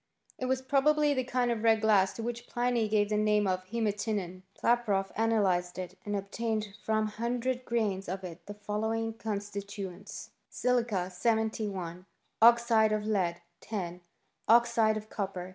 It was probably the kind of red glass to which Pliny gave the name of heematinon* Klaproth analyzed it, and obtained from 100 grains of it the following constituents : Silica 71 Oxide of lead 10 Oxide of copper